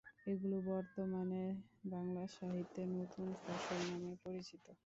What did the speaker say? এগুলি বর্তমানে বাংলা সাহিত্যে "নতুন ফসল" নামে পরিচিত।